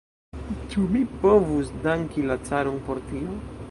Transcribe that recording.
Ĉu mi povus danki la caron por tio?